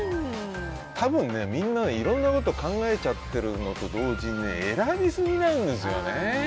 多分ね、みんないろんなこと考えちゃってるのと同時に選びすぎなんですよね。